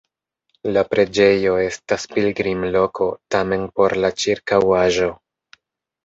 La preĝejo estas pilgrimloko, tamen por la ĉirkaŭaĵo.